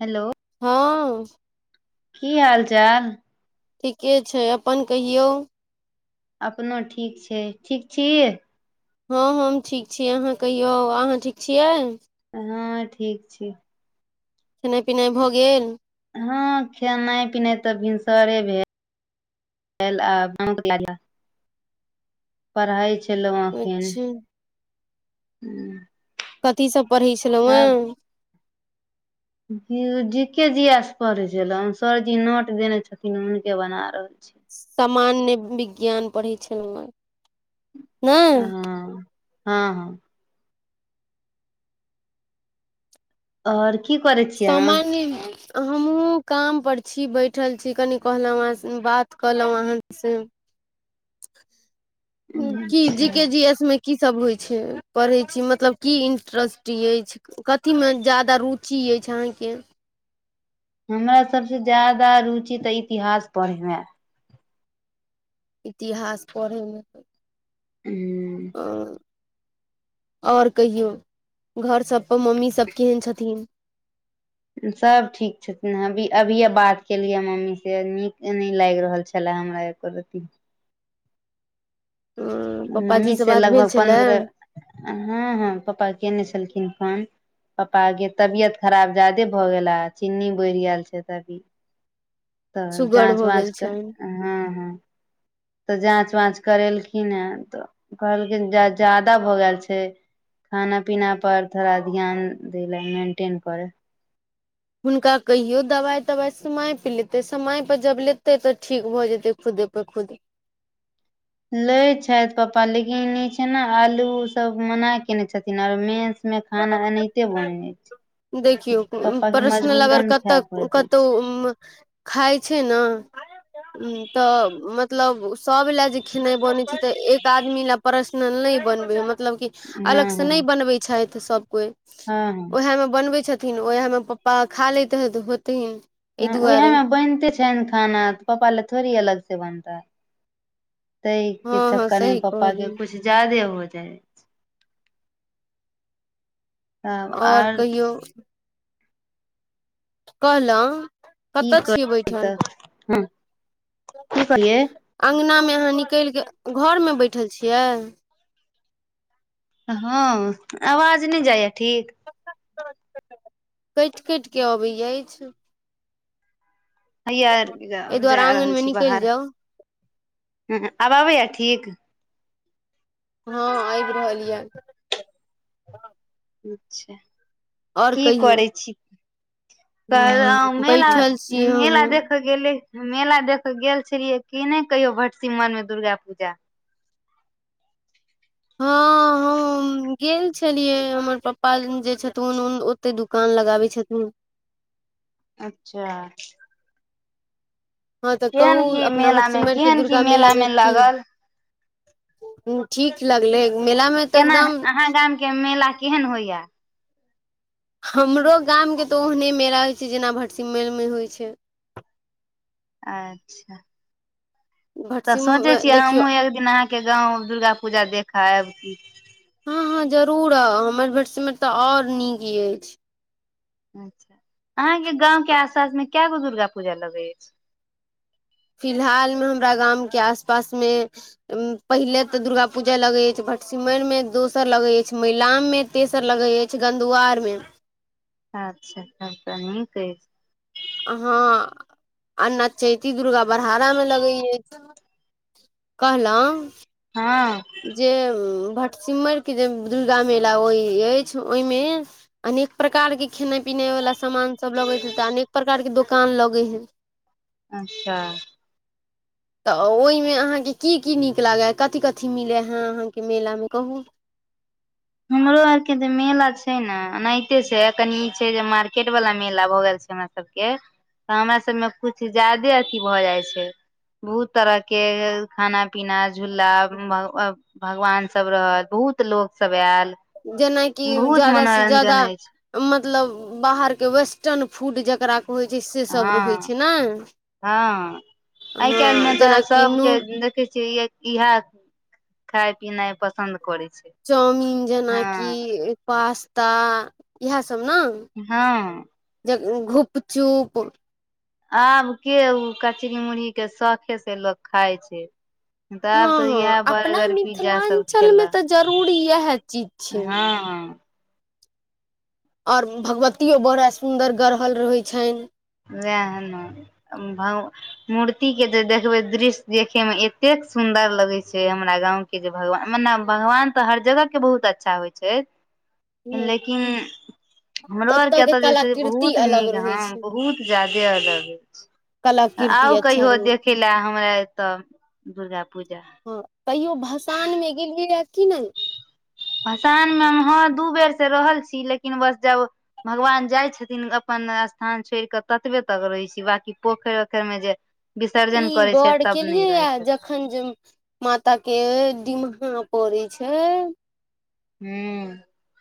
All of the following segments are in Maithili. हेलो हँ की हाल चाल ठीके छै अपन कहियौ अपनो ठीक छै ठीक छी हँ हम ठीक छी अहाँ कहियौ अहाँ ठीक छियै हँ ठीक छी खेनाइ पिनाइ भऽ गेल हँ खेनाइ पिनाइ तऽ भिनसरे भेल भे [unintelligible] ल आ पढ़ाै छलहुँ एखन अच्छा हू कथी सब पढ़ै छलहुँ हे जी के जिया से पढ़े छलौं सरजी नोट देने छथिन हुनके बना रहल छी सामान्य विज्ञान पढ़ैत छलहुँ हे हँ हँ हँ आओर कि कर सामान्य हमहुँ काम पर छी बैठल छी कनी कहलहुँ ऑं बात कलहुं अहाँ से अहाँ की अच्छा जी के जी एस मे की सब होइ छै पढ़ै छी मतलब की इंट्रेस्ट अछि कथीमे ज्यादा रुचि अछि अहाँके हमरा सबसे ज्यादा रुचि तऽ इतिहास पढ़ेमे इतिहास पढ़यमे ए आ और कहियौ घर सबपर मम्मी सब केहन छथिन सभ ठीक छथिन अभी अभिये बात केलियै मम्मी से नीक नहि लाग रहल छलए हमरा एको रती ह पप्पाजी मम्मी से बात भेल लगभग छलए पन्द्रह हँ हँ पप्पा केयने छलखिन फोन पप्पा आर के तबियत खराब ज्यादे भऽ गेला चीन्नी बैढ गेल छै तभी तऽ सुगर जाँच भऽ वाच गेल क छनि हँ हॅं तऽ जाँच वाँच करेलखिन हें तऽ कहलखिन ज जादा भऽ गेल छै खाना पीना पर थोड़ा ध्यान दै ले मेंटेन करे हुनका कहियो दवाइ तबाइ समय पे लेते समय जब लेते तब ठीक भऽ जेतै खुदे [inaudible] खूद लै छैथ पपा लेकिन ई छै ने आलू सब मना केने छथिन आरो मेस मे खाना एनाहिते बनबै छै देखियौ पप्पा के पर्सनल अगर मजबूरन कत खाय पड़ैत अछि कतऽउ खाइ छै ने तऽ मतलब सब लए जे खेनाइ बने छै ते एक आदमी ल पर्सनल नहि बनबै मतलब की हँ अलग से नै हँ बनबै छैथ सभ कोइ हँ ह उएह मे बनबै छथिन ओएह मे पप्पा खा लैत हेत होथिन एहि ह दुआरे उएहेमे में बैनते छ एहन खाना तऽ पापा ले थोड़ी अलग से बनतै हँ तहिके हँ चक्करमे सही पप्पा के कहलियै कुछ ज्यादे हो जाय तब आर तऽ कहलौं की करै तऽ ह की कहलियै अंगना मे अहाँ निकैलके घरमे बैठल छियै हँ आवाज नहि जाइए ठीक कैट कैट कऽ आबै अछि हैया एहि दुआरे जा आंगन रहल मे छी निकलि बाहर जाउ ह आब आबैय ठीक हँ आबि रहल यऽ अच्छा और की कहियौ करै छी त मेला बैठल छी मेला हमहूँ देख गेले मेला देख क गेल छलियै की नहि कहियो भैटसिमर मे दुर्गा पूजा हँ हम गेल छलियै हमर पप्पा जे छथुन ओते दुकान लगाबै छथुन अच्छा हँ तऽ कहू केहन की अपना मेला मे भटसिमैर केऽ केहन की दुर्गा मेला के मे की लगल हु ठीक लागलै मेलामे तऽ केना एकदम अहाँ गामके मेला केहन होइया हमरो गाम के तऽ ओहने मेला होइ छै जेना भटसिमर मे होइ छै अच्छा तऽ सोचै भटसिमरमे छियै देखियौ हमहूँ एक दिन अहाँके गाँव दुर्गा पूजा देख कर आबिती हँ हँ जरूर आउ हमर भटसिमैर तऽ और नीक अछि अच्छा अहाँके गाँंव के आसपास मे के गो दुर्गा पूजा लगै अछि फिलहालमे हमरा गामके आसपासमे पहिले तऽ दुर्गा पूजा लगे अछि भटसिमन मे दोसर लगे अछि महिलाम मे तेसर लगे अछि गंधुआर मे अच्छा तब तऽ नीक अछि अहॅं आ न चैती दुर्गा बड़हारा मे लगैय अछि कहलौं हँ जे भटसिम्मैर के जे दुर्गा मेला होहि अछि ओहिमे अनेक प्रकार के खेनाइ पिनाई वाला सामान सब लगे हेतैऽ अनेक प्रकार के दोकान लगे हय अच्छा तऽ ओहिमे अहाँके की की नीक लागै कथी कथी मिलै हए अहाँके मेलामे कहू हमरो आर के जेऽ मेला छै ने एनाहिते छै कनि ई छै जे मार्केट वाला मेला भऽ गेल छै हमरा सबके तऽ हमरा सबमे कुछ ज्यादे अथी भऽ जाइ छै भू तरहके भेल खाना पीना झूला भग भगवान सब रहल बहुत लोक सब आयल जेनाकि बहुत ज्यादा से जादा मनोरंजन अछि मतलब बाहरके वेस्टर्न फूड जकरा कहैत छै सेसभ हँ रहैत छै ने हँ आइ हँ काल्हिमे तऽ जेनाकि सभके नूर देखै छियै इह खाय पिनाइ पसन्द करे छै चाउमिन हँ जेनाकि पास्ता इएह सब न हँ जे घुपचुप आब के ओ कचरी मुुरही के शौखे से लोक खाय छै तऽ हँ आब तऽ इएह हँ अपना बर्गर पिज्जा सब मिथिलाञ्चलमे खेला तऽ जरूर इएह चीज छै हँ आओर भगवतियो बड़ा सुन्दर गढ़हल रहैत छनि वएह ने भ मूर्ति के जे देखबै दृश्य देखे में एतेक सुन्दर लगे छै हमरा गाँंव के जे भगवान मने भगवान तऽ हर जगहके बहुत अच्छा होइ छै ह लेकिन हमरो ओतय के आरकेतय जे छै कलाकृति बहुत अलग नीक रहै हँ छै बहुत ज्यादे अलग अछि कलाकृति आउ अच्छा कहियो रहौ देखे लए हमरा एतऽ दुर्गा पूजा कहियो भसानमे गेलियै कि नहि भसान मे हँ दू बेर से रहल छी लेकिन बस जाउ भगवान जाइ छथिन अपन स्थान छोड़ि कऽ ततबे तक रहै छी बकि पोखरि ओखरिमे जे विसर्जन करै छै तब नहि रहै छै अखन जे माता के डिमहा पड़ै छै हू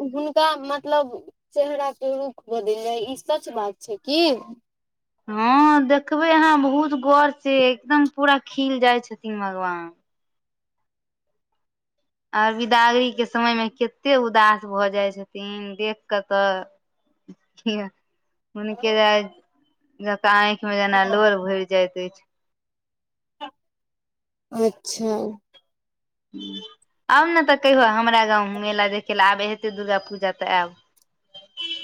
हुनका मतलब चेहरा के रूख बदैल जाय ई सच बात छै की हँ देखबै अहाँ बहुत गर से एकदम पूरा खिल जाइ छथिन भगवान आर बिदागरी के समय मे कते उदास भऽ जाय छथिन देख कऽ तऽ [unintelligible] हुनके जा जका आँखि में जेना लोर भरि जाइत अछि अच्छा आउ ने तऽ कहियौ हमरा गाँव मेला देखै लए आबै हेतै दुर्गा पूजा तऽ आएब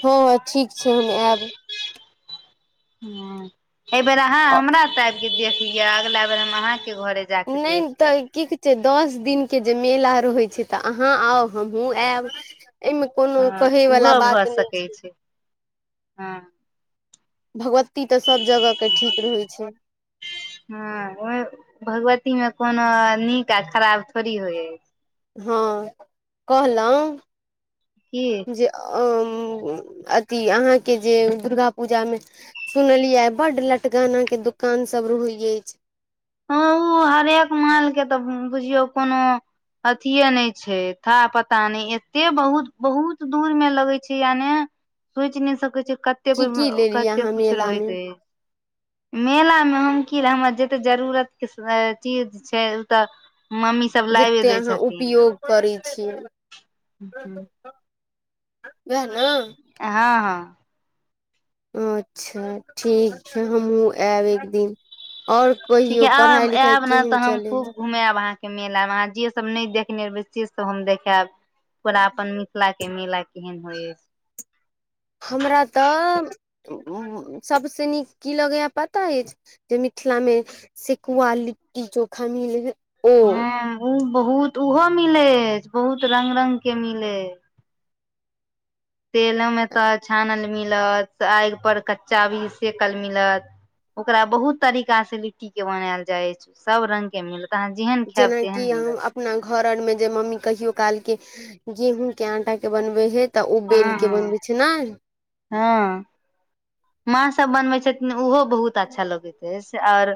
हँ ठीक छै हम आयब ह एहि बेर अहाँ हमरा त आब के देख लिय अगला बेर हम अहा के घरे जा कऽ नहि देख लेब तऽ की से दस दिनक के जे मेला रहैत छै तऽ अहाँ आउ हमहुँ आयब एहिमे कोनो हँ कहे वला ओहो भऽ बात नहि सकै छै हँ भगवती तऽ सभ जगह के ठीक रहै छै ह हँ ओ भगवती मे कोनो नीक आ खराब थोड़ी होइ ह हँ कहलहुँ की जे अंऽ अथी अहाँके जे दुर्गा पूजामे सुनलियै बड लटकाना के दुकान सब रहै अछि ह ओ हरेक मालके तऽ बुझियौ कोनो अथिये नहि छै था पता नहि एते बहुत बहुत दूर मे लगै छै याने सोचि नहि सकैत छी कतेक की की कोहि लेलियै कतेक अहाँ किछु मेला रहै मे है मेला में हम की ले हमर जते जरूरत के चीज छै उ त मम्मी सब लाबे जतेक दै अहाँ छथिन उपयोग करै छी हू वेह न हँ हँ अच्छा ठीक छै हमहुँ आयब एक दिन आओर ठीक हे आब आयब ने तऽ हम खूब घुमेब अहाँ के मेला मे ऑंहा जे सब न देखने हेबे से सब हम देखायब पूरा अपन ला के मिला केहन होइ हमरा तऽ सबसँ नीक की लगैया पता अछि जे मिथिला मे सेकुआ लिट्टी चोखा मिल ह उ बहुत ओहो मिलै है बहुत रंग रंग के मिले है तेलो में तऽ छानल मिलत आगि पर कच्चा भी सेकल मिलत ओकरा बहुत तरीका से लिट्टी के बनायल जाय छै सब रंग के मिल तऽ अहाँ जेहन खायब तेहन जेनाकि हम मिलत अपना घर आरमे जे मम्मी कहियो कालके गेहूँके आटाके बनबै हइ तऽ उ हँ बेल के हँ बनबै छै नाइ हँ माँ सब बनबैत छथिन ओहो बहुत अच्छा लगैत अछि से और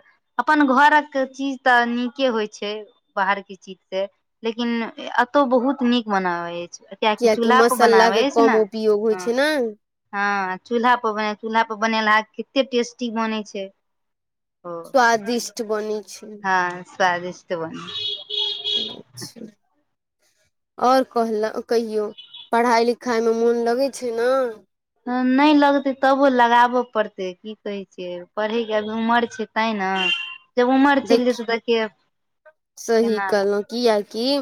अपन घरक चीज तऽ नीके होइ छै बाहरके चीज से लेकिन एतौ बहुत नीक मनाबै अछि कियाकि चूल्हा पर मसाला बनाबै के अछि ने कम उपयोग होइ हूं छै ने हँ चूल्हा पऽ बने चूल्हा पर बनेलहा कते टेस्टी बनै छै स्वादिष्ट बनै छै हं स्वादिष्ट बन अच्छा आओर कहल कहियौ पढ़ाइ लिखाइमे मोन लगै छै न नहि लगते तबो लगाबऽ पड़तै क की कहै छियै पढ़यके अभी उमर छै तैं न जब उमर देख चलि जेतै तऽ के केना कियाकी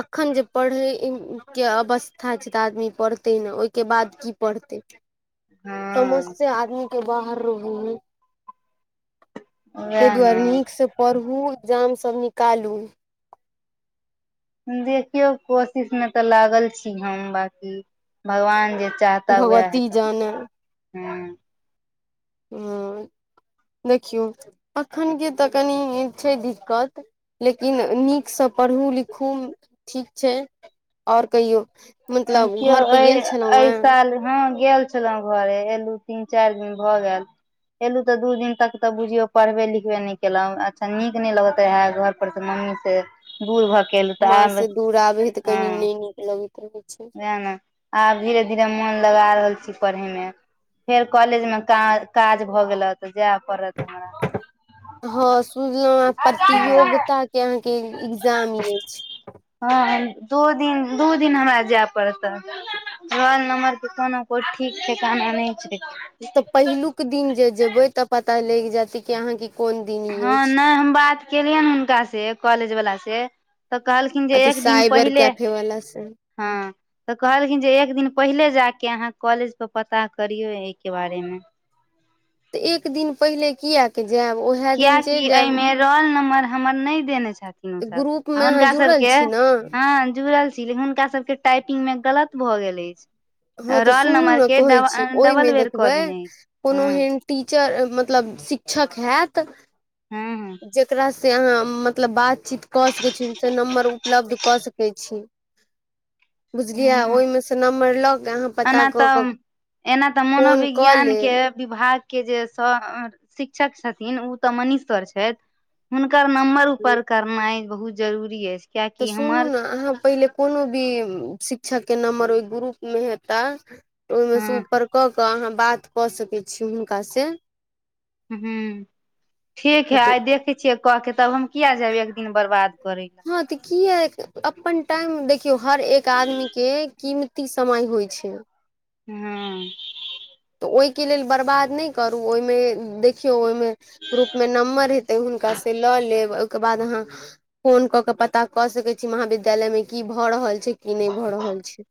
अखन जे पढ़यके अवस्था छै तऽ आदमी पढ़तै ने ओहिके बाद की पढ़तै समझ हँ से आदमी के बाहर रहै है ताहि उएह ने दुआरे नीकसँ पढ़ू जामसभ निकालू देखियौ कोशिश मे तऽ लागल छी हम बाकि भगवान जे चाहता ओह भगवती हैताह जाने हूँ देखियो अखन के तऽ कनि छै दिक्कत लेकिन नीकसँ पढ़ू लिखू ठीक छै आओर कहियौ मतलब देखियौ घर पर ऐ गेल छलहुँ एहि हेँ साल मे हँ गेल छलहुँ घरे एलहुँ तीन चारि दिन भऽ गेल एलू तऽ दू दिन तक तऽ बुझियो पढ़बे लिखबे नहि केलो अच्छा नीक न लगत रहे घर उपरसँ मम्मी से बुढ़ भ गेले माँ से दूर आबे है तऽ कनि नहि नीक लगैत रहे छै साह ने आब धीरे धीरे मोन लगा रहल छी पढ़ेमे फेर कॉलेज मे काज भऽ गेलह तऽ जाय पड़त हमरा हँ सुनलहुँ हमरा प्रतियोगिता के अहाँके एग्जाम अछि हँ दू दिन दू दिन हमरा जाय पड़त रोल नंबर के कोनो कोइ ठीक ठिकाना कहनाई नहि छै पहिलुक दिन जे जेबै त पता लगि जैयत कि अहां [unintelligible] के कि कोन दिन ई हँ अछि नहि हम बात केलियैन हुनका से कॉलेज वला से कहलखिन जे अथी एक दिन साइबर पहिले कैफे वाला से हँ तऽ कहलखिन जे एक दिन पहिले जाकऽ अहाँ कॉलेज पर पता करियौ एहिके बारेमे एक दिन पहिले किएकऽ जायब उएह दिन कियाकि चलि जायब एहिमे रोल नम्बर हमर नहि देने छै ग्रुप मे अहाँ हुनका सब जुड़ल के छी ने हँ जुरल छी हुनका टाइपिंग मे गलत भऽ गेल अछि हँ तऽ रोल सुनू नम्बर ने के कहै छी ओहमे डबल बेर कऽ देखबै देने अछि कोनो हँ एहन टीचर मतलब शिक्षक हायत हँ जेकरा से अहाँ मतलब बातचीत कऽ सकैत छी से नम्बर उपलब्ध कऽ सकैत छी बुझलियै हँ ओहिमे सँ नम्बर लऽ के एना तऽ एना तऽ कऽ मनोविज्ञान के लेब विभाग के जे सर शिक्षक छथिन ओ तऽ मनीष सर छै हुनकर नम्बर ऊपर करनाइ बहुत जरूरी अछि कियाकि सुनू हमर ने अहाँ पहिले कोनो भी शिक्षक के नम्बर ओहि ग्रुप मे हेता ओहिमेसँ हँ ऊपर कऽ कऽ अहाँ बात कऽ सकैत छी हुनकासँ हुँ ठीक है तऽ आइ देख [unintelligible] छियै क के तब हम किया जायब एक दिन बर्बाद करै ला ह तऽ किया अपन टाइम देखियो हर एक आदमी के कीमती समय होय छै हुँ तऽ ओहिके लेल बर्बाद नहि करू ओहिमे देखियौ ओहिमे ग्रूपमे नम्बर हेतै हुनकासँ लऽ लेब ओहिके बाद अहाँ फोन कऽ के पता कऽ सकैत छी महाविद्यालय मे की भऽ रहल छै की नहि भऽ रहल छै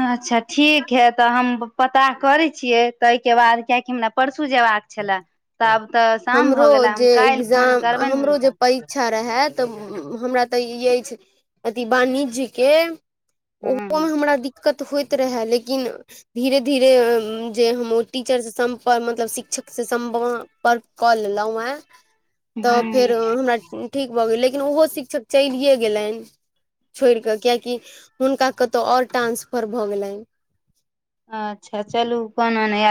अच्छा ठीक है तऽ हम पता करैत छियै ताहके बाद कियाकि हमरा परसू जयबाक छले तऽ आब तऽ शाम हमरो भऽ गेला हम काल्हि फोन करबनि हुनका ईच्छा रहैय तऽ हमरा तऽ ई अछि अथि वाणिज्यके ऊपर हँ हमरा दिक्कत होइत रहए लेकिन धीरे धीरे जे हम ओ टीचर से सम्पर्क मतलब शिक्षक से [unintelligible] सम्पर्क कऽ लेलहुं है तऽ फेर ह हमरा ठीक भऽ गेले लेकिन ओहो शिक्षक चलिए गेलनि छोड़ि कऽ कियाकि हुनका कतौ और ट्रांसफर भऽ गेलनि अच्छा चलू कोनो नया